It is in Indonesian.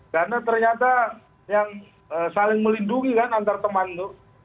karena ternyata yang saling melindungi kan antar teman itu